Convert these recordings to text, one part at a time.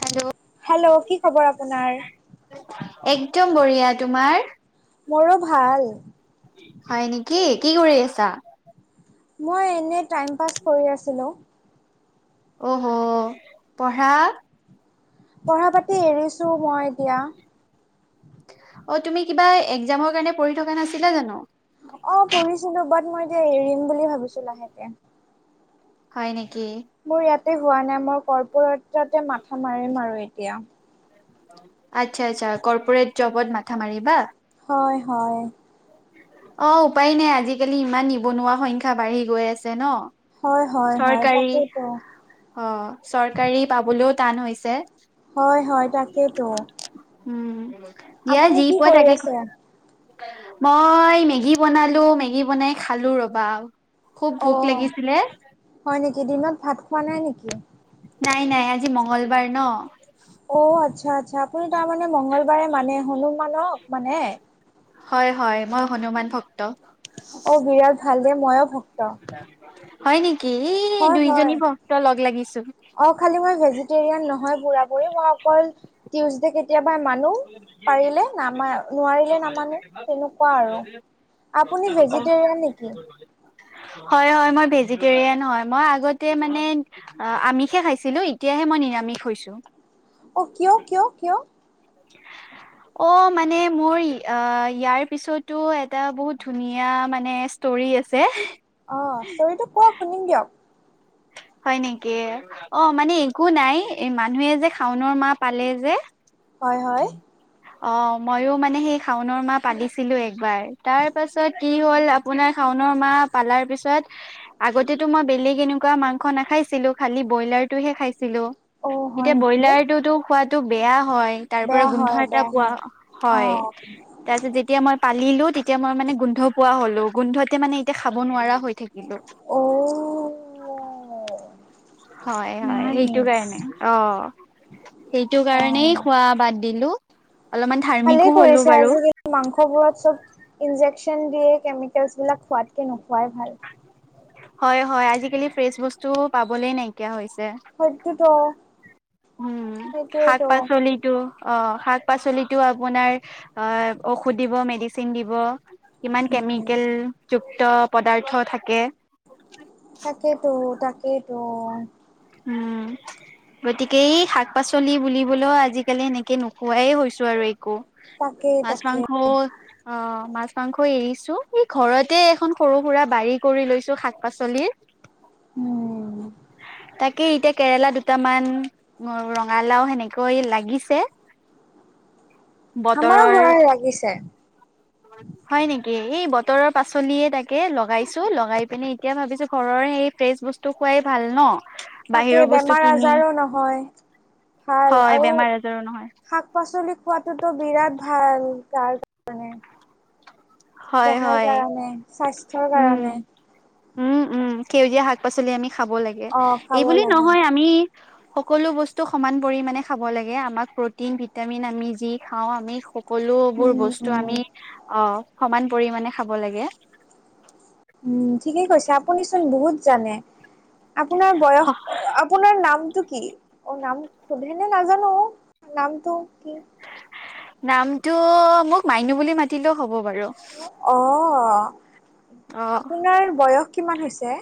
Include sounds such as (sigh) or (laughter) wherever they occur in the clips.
Hello hello কি খবৰ আপোনাৰ? একদম বঢ়িয়া তোমাৰ। মোৰো ভাল। হয় নেকি, কি কৰি আছা? মই এনে টাইম পাছ কৰি আছিলো। অহ, পঢ়া পঢ়া-পাতি এৰিছোঁ মই এতিয়া। অ, তুমি কিবা একজামৰ কাৰণে পঢ়ি থকা নাছিলা জানো? অ পঢ়িছিল। বাট, মই এতিয়া এৰিম বুলি ভাবিছো লাহেকে। হয় নেকি? মোৰ ইয়াতে হোৱা নাই মই কৰ্পূৰত তাতে মাথা মাৰিম আৰু এতিয়া। আচ্ছা, আচ্ছা, কৰ্পূৰেট জবত মাথা মাৰিবা হয়, হয়! অ উপায় নাই, আজিকালি ইমান নিবনুৱা সংখ্যা বাঢ়ি গৈ আছে ন! হয় হয় হয় চৰকাৰী, তাকেইতো। অ চৰকাৰী পাবলৈও টান হৈছে। হয়, হয়, তাকেইতো। উম দিয়া, আপুনি যি কি পোৱা কৰি তাকে আছে? মই মেগী বনালো, মেগী বনাই খালো ৰবা! খুব ভোক অ' লাগিছিলে, হয় নেকি, দিনত ভাত খোৱা নাই নেকি? নাই, নাই আজি মঙংগলবাৰ ন! অ' আচ্ছা, আচ্ছা, আপুনি তাৰমানে মঙ্গলবাৰে মানে হনুমানক মানে। হয়, হয়, মই হনুমান ভক্ত! অ বিৰাট ভাল দে মইয় ভক্ত। হয় নেকি, হয় হয় দুইজনী ভক্ত লগ লাগিছো। অ খালি মই ভেজিটেৰিয়ান নহয় পুৰা- পুৰি, মই অকল টিউজডে কেতিয়াবা মানো পাৰিলে, নামা নোৱাৰিলে নামানো তেনেকুৱা আৰু। আপুনি ভেজিটেৰিয়ান নেকি? হয়, হয়, মই ভেজিটেৰিয়ান হয়। মই আগতে মানে অ আমিষে খাইছিলো, এতিয়াহে মই নিৰামিষ হৈছো। অঁ, কিয়? কিয়? কিয়? (unintelligible) অ মানে মোৰ, অ ইয়াৰ পিছতো এটা বহুত ধুনীয়া মানে তৰি আছে। অ ষ্টৰিটো কুবক, শুনিম দিয়ক। হয় নেকি? অ মানে একো নাই মানুহে যে শাওনৰ মা পালে যে হয়, হয়! অঁ ময়ো মানে সেই শাওনৰ মাহ পালিছিলোঁ একবাৰ। তাৰপাছত কি হ'ল-আপোনাৰ শাওনৰ মাহ পালাৰ পিছত, আগতেতো মই বেলেগ এনে মাংস নাখাইছিলোঁ, অকল বইলাৰটোহে খাইছিলো। অ এতিয়া হয় নেকি ব্ৰইলাৰটোতো খোবাত টো বেয়া হয়, তাৰ পৰা বেয়া গোন্ধ হয় এটা বেয়া পোৱা হয় অ হয়। তাৰ পিছত যেতিয়া মই পালিলো! তেতিয়া মই মানে গোন্ধ পোৱা হলো, গোন্ধতে মানে এতিয়া খাব নোৱাৰা হৈ থাকিলো। অঁ হয়, হয়, সেইটো নাইচ কাৰণে। অ! সেইটো কাৰণেই অ খোৱা বাদ দিলো। অলপমান ভালেই ধাৰ্মিকো হ'লো কৰিছে বাৰু। আজিকালি মাংসবোৰত চব ইনজেকচন দিয়ে, কেমিকেলচ বিলাক খোৱাতকে নোখোৱাই ভাল। হয়, হয় আজিকালি ফ্ৰেছ বস্তু পাবলেই নাইকিয়া হৈছে। সেইটোত উম শাক পাচলি টো অ শাক পাচলিটো আপোনাৰ অ ঔষধ দিব মেডিচিন দিব কিমান কেমিকেল যুক্ত পদাৰ্থ থাকে তাকেইতো তাকেইতো উম গতিকে এই শাক পাচলি বুলিবলৈও আজিকালি এনেকে নোখোৱাই হৈছোঁ আৰু একো তাকেই মাছ তাকে মাংস অ মাছ মাংস এৰিছো এই ঘৰতে এখন সৰু সুৰা বাৰী কৰি লৈছো শাক পাচলিৰ উম তাকে এতিয়া কেৰেলা দুটামান ৰঙালাও সেনেকৈ লাগিছে আমাৰো বতৰৰ হৱাই লাগিছে হয় নিকি এই বতৰৰ পাচলিয়ে তাকে লগাইছো লগাই পিনে এতিয়া ভাবিছো ঘৰৰ সেই ফেচ বস্তু খুৱাই ভাল ন তাকে বাহিৰৰ বস্তু বেমাৰ কিনি আজাৰো নহয় ভাল হয় আৰু বেমাৰ আজাৰো নহয় শাক পাচলি খোৱাটোত বিৰাট ভাল তাৰ কোনে হয় দেহাৰ হয় কাৰণে স্বাস্থ্যৰ উম কাৰণে উম উম সেউজীয়া শাক পাচলি আমি খাব লাগে অ খাব এইবুলি লাগে নহয় আমি সকলো বস্তু সমান পৰিমণে খাব লাগে আমাক প্ৰটিন ভিটামিন আমি যি খাওঁ আমি সক সকলো বোৰ উম বস্তু উম আমি অ সমান পৰিমাণে খাব লাগে উম ঠিকেই কৈছে আপুনিচোন বহুত জানে আপোনাৰ বয়স আপোনাৰ নামটো কি অ নাম সোধে নে নাজানো নামটো কি নামটো মোক মাইনু বুলি মাতিলেও হ'ব বাৰু অ অ আপোনাৰ বয়স কিমান হৈছে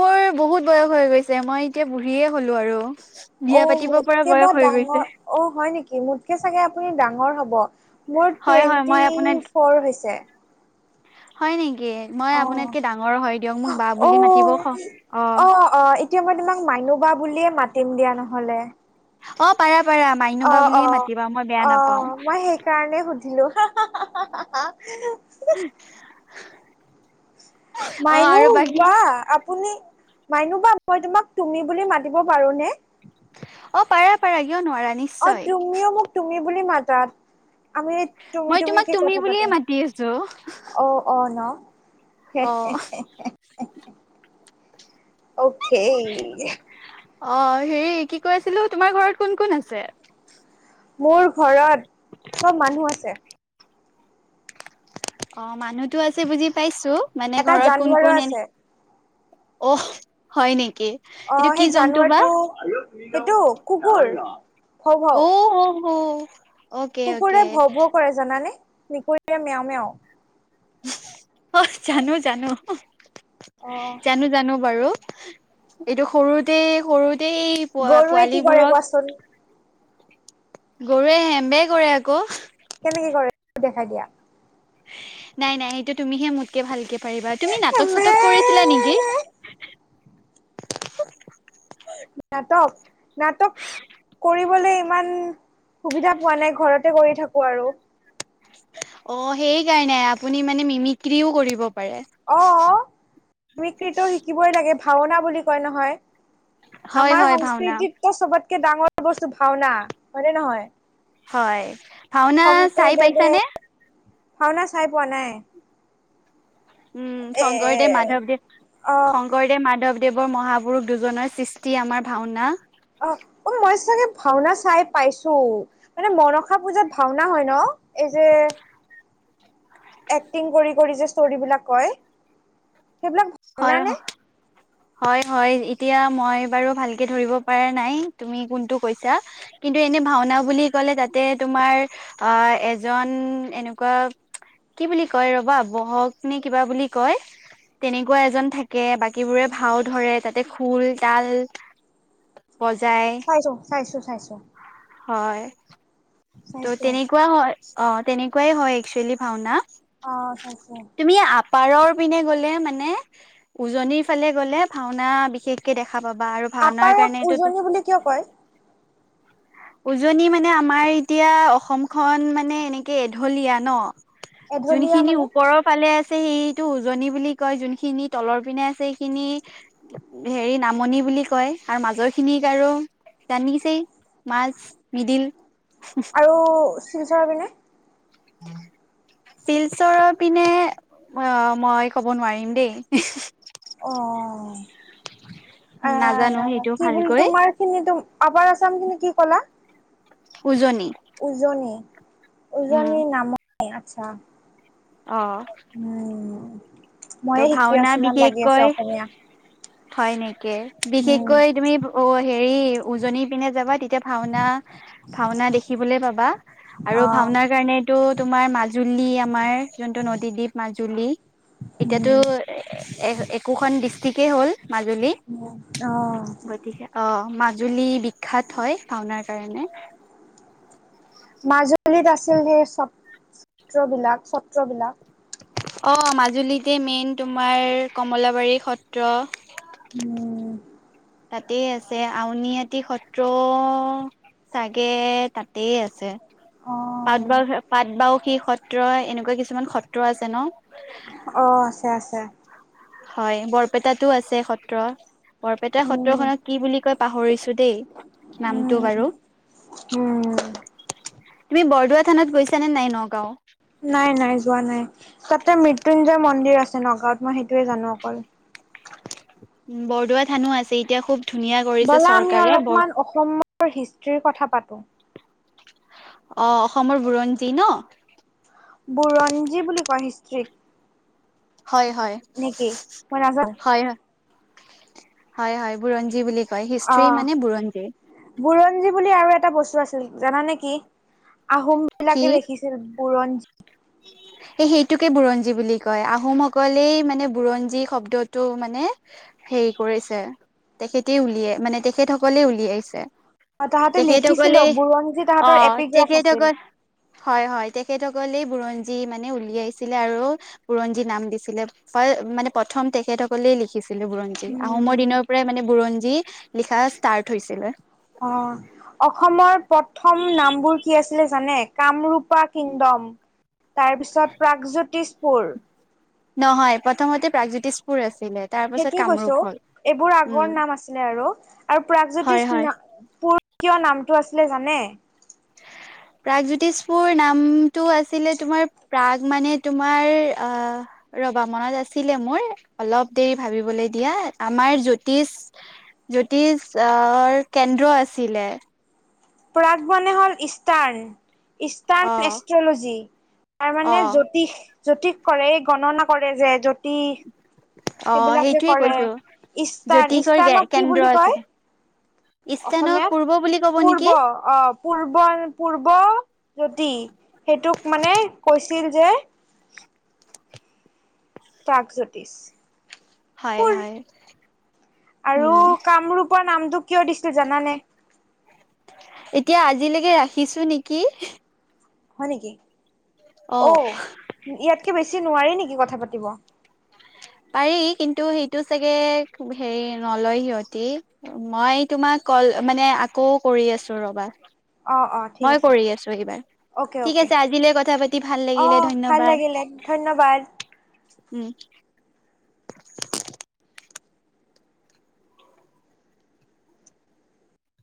মোৰ বহুত বয়স হৈ গৈছে মই এতিয়া বুঢ়ীয়ে হলো আৰু অ বিয়া পাতিব পৰা মোতকে বা বয়স হৈ ডাঙৰ গৈছে অ হয় নিকি মোতকে চাগে আপুনি ডাঙৰ হব মোৰ হয় হয় টুৱেণ্টি মই আপোনাত ফ'ৰ হৈছে হয় নিকি মই অ আপোনাতকে ডাঙৰ হয় দিয়ক মোক বা অ বুলি মাতিব খ অ এতিয়া মই তোমাক মাইনু বা বুলিয়ে মাতিম দিয়া নহলে অ', পাৰা পাৰা মাইনু অ বা বুলিয়ে মাতিবা মই বেয়া নাপাওঁ। সেই কাৰণে সুধিলো হা হা হা হা হা- (unintelligible) অ মাইনু আৰু বাকী বা আপুনি মাইনু বা মই তোমাক তুমি বুলি মাতিব পাৰোনে? অ' পাৰা পাৰা কিয় নোৱাৰা নি অ', তুমিও মোক তুমি বুলি মাতা আমি তুমি মই তোমাক তুমিকে তুমি কথা বুলিয়ে পাতো। মাতি আছো। অ', অ', ন হে অ হে হে হে অখেই অ', হেৰি কি কৈ আছিলো তোমাৰ ঘৰত কোন কোন আছে? মোৰ ঘৰত চব মানুহ আছে। অ', মানুহতো আছে বুজি পাইছো মানে এটা ঘৰত কোন জানুৱাৰো কোন এনে আছে। অ'হ, হয় নিকি! অ', সেই জানুৱাৰটো এইটো কুকুৰ ভৌ ভৌ অ হৌ' হৌ' কুকুৰে ভৌ ভৌ কৰে জানানে, মেকুৰীৰে মেও মেও অ', জানো জানো অ জানো জানো বাৰু এইটো সৰুতে সৰুতেই গৰুৱে কি কৰে পোৱালীবোৰক কোৱাচোন? গৰুৱে হেম্বে কৰে আকৌ কেনেকে কৰে দেখাই দিয়া নাই নাই সেইটো তুমিহে মোতকে ভালকে পাৰিবা, তুমি নাটক চাটক কৰিছিলা নেকি? নাটক নাটক নাটক কৰিবলে ইমান সুবিধা পোৱা নাই ঘৰতে কৰি থাকো আৰু অঁ, সেই কাৰণে আপুনি মানে মিমিক্ৰীও কৰিব পাৰে। অঁ, মিমিক্ৰিটো শিকিবই লাগে ভাওনা বুলি কয় নহয় হয় আমাৰ হয় ভাওনা সংস্কৃতিতো চবতকে ডাঙৰ বস্তু ভাওনা হয়নে নহয়। হয়, ভাওনা চাই শংকৰদেৱে পাইছানে? ভাওনা চাই পোৱা নাই। উম, এ শংকৰদেৱ মাধৱদেৱ অ শং কৰদেৱ মাধৱদেৱৰ মহাপুৰুষ দুজনৰ সৃষ্টি আমাৰ ভাওনা অ, অ, মই চাগে ভাওনা চাই পাইছো মানে মনসা পূজাত ভাওনা হয় ন, এই যে এক্টিং কৰি কৰি যে ষ্টৰিবলাক কয়, সেইবিলাক হয় ভওনা হয় নে? হয়, হয়, এতিয়া মই বাৰু ভালকে ধৰিব পৰা নাই তুমি কোনটো কৈছা কিন্তু এনে ভাওনা বুলি ক'লে তাতে তোমাৰ অ, এজন এনেকুৱা কি বুলি কয় ৰবা, বহক নে কিবা বুলি কয় তেনেকুৱা এজন থাকে বাকীবোৰে ভাও ধৰে, তাতে খোল তাল বজায় চাইছো চাইছো চাইছো হয় ত' চাইছো তেনেকুৱা হয়, অঁ তেনেকুৱাই হয় একচুৱেলি ভাওনা অঁ', চাইছোঁ। তুমি আপাৰৰ পিনে গ'লে মানে, উজনিৰ ফালে গ'লে ভাওনা বিশেষ কে দেখা পাবা আৰু ভাওনাৰ আপাৰক কাৰণেটো উজনি বুলি কিয় কয়? উজনি মানে আমাৰ এতিয়া অসমখন মানে এনেকে এঢলীয়া ন' এঢলীয়া যোনখিনি মানে ওপৰত ফালে আছে সেইটো উজনি বুলি কয়, যোনখিনি তলৰ পিনে আছে সেইখিনি হেৰি নামনি বুলি কয়, আৰু মাজৰ খিনিক আৰু জানিছেই মাছ মিদিল অ শিলচৰ যাবি নে শিলচৰৰ পিনে অঁ মই ক'ব নোৱাৰিম দেই। অঁ, নাজানো আহ সেইটো কি বুলি ভালকৈ তোমাৰ খিনি টো আপাৰ আছাম খিনি কি কলা উজনি উজনি, উম উজনিৰ নামনি আচ্ছা। অ। উম ময়েই ত' শিকি ভাওনা আছো ইমান লাগি আছে বিশেষকৈ অসমীয়া। হয় নেকি, উম বিশেষকৈ তুমি অ হেৰি উজনিৰ পিনে যাবা তেতিয়া ভাওনা ভাওনা দেখিবলে পাবা অ আৰু ভাওনাৰ কাৰণেতো তোমাৰ মাজুলী আমাৰ যোনটো নদীদ্বীপ মাজুলী এতিয়াতো উম একোখন ডিষ্ট্ৰিকেই হ'ল মাজুলী অ গতিকে অ মাজুলী বিখ্যাত হয় ভাওনাৰ কাৰণে মাজুলীত আছিল সেই চত্ৰবিলাক চত্ৰবিলাক অ মাজুলীতে মেইন তোমাৰ কমলাবাৰী সত্ৰ উম তাতেই আছে আউনীআটি সত্ৰ চাগে তাতেই আছে অ পাট বাও পাট বাওসি সত্ৰ এনেকুৱা কিছুমান সত্ৰ আছে ন অ আছে আছে হয় বৰপেটাতো আছে সত্ৰ বৰপেটা উম, সত্ৰখনক কি বুলি কয় পাহৰিছো দেই নামটো উম, বাৰু উম তুমি বৰদোৱা থানাত গৈছা নে নাই নগাঁও নাই নাই যোৱা নাই তাতে মৃত্যুঞ্জয় মন্দিৰ আছে নগাঁৱত মই সেইটোয়ে জানো অকল বৰদোৱা থানো আছে এতিয়া খুৱ ব'লা আমি অলপমান অসমৰ হিষ্ট্ৰীৰ কথা পাতো অ অসমৰ বুৰঞ্জী ন বুৰঞ্জী বুলি কয় হিষ্ট্ৰীক হয় হয় নেকি মই নাজানো হয় হয় হয় বুৰঞ্জী বুলি হয় হিষ্ট্ৰি অ'। মানে বুৰঞ্জী বুৰঞ্জী বুলি আৰু এটা বস্তু আছিল জানা নেকি আহোম কি বিলাকে লিখি ছিল বুৰঞ্জী (unintelligible) সেই সেইটোকে বুৰঞ্জী বুলি কয় আহোমসকলেই মানে বুৰঞ্জী শব্দটো মানে হেৰি কৰিছে তেখেতে উলিয়াই মানে তেখেত সকলে উলিয়াইছে অ', তাহাঁতে লিখিছিল তেখেতসকলে বুৰঞ্জী অ তাহাঁতৰ এপিগ্ৰাফ আছিল তেখেতসকল হয় হয় তেখেতসকলে বুৰঞ্জী মানে উলিয়াইছিলে আৰু বুৰঞ্জী নাম দিছিলে মানে প্ৰথম তেখেতসকলেই লিখিছিলে বুৰন জী আহোমৰ উম, দিনৰ পৰাই মানে বুৰঞ্জী লিখা ষ্টাৰ্ট হৈছিলে অ অসমৰ প্ৰথম নামবোৰ কি আছিলে জানে কামৰূপা কিংডম তাৰপিছত প্ৰাগজ্যোতিষপুৰ নহয় প্ৰথমতে প্ৰাগজ্যোতিষপুৰ আছিলে তাৰ পাছত সেইটোয়ে কামৰূপ কৈছো হ'ল। এইবোৰ আগৰ উম নাম আছিলে আৰু আৰু হয় প্ৰাগজ্যোতিষ হয় না পুৰ কিয় নামটো আছিলে জানে (inaudible) প্ৰাগজ্যোতিষপুৰ নামটো আছিলে তোমাৰ প্ৰাগ মানে তোমাৰ আহ ৰবা মনত আছিলে মোৰ অলপ দেৰি ভাবিবলে দিয়া আমাৰ জ্যোতিষ জ্যোতিষৰ কেন্দ্ৰ আছিলে। পৰাগ মনে হ'ল ইষ্টাৰ্ণ অ ইষ্টাৰ্ণ এষ্ট্ৰলজী তাৰমানে অ জ্যোতিষ। জ্যোতিষ কৰে গণনা কৰে যে জ্যোতি। অ সেইবিলাক যে সেইটোয়ে কৰে কৈছো ইষ্টাৰ্ণ জ্যোতিষৰ ইষ্টাৰ্ণক কি কেন্দ্ৰ বুলি কয়? আছিলে ইষ্টানক অসমীয়াত পূৰ্ব বুলি কব পূৰ্ব নেকি। অ', পূৰ্ব পূৰ্বজোতি সেইটোক মানে কৈছিল যে প্ৰাগজ্যোতিষ। হয় হয় আৰু উম কামৰূপৰ নামটো কিয় দিছিল জানানে। এতিয়া আজিলৈকে ৰাখিছো নেকি। হয় নেকি অ', ইয়াতকে বেছি নোৱাৰি নেকি কথা পাতিব? পাৰি কিন্তু সিটো চাগে হেৰি নলয় সিহঁতি। মই তোমাক কল মানে আকৌ কৰি আছো ৰবা। অ', অ'। ঠিক মই আছে কৰি আছো এইবাৰ। অ'কে ঠিক অ'কে আছে আজিলৈ কথা পাতি ভাল অ লাগিলে ভাল লাগিলে ধন্যবাদ। উম।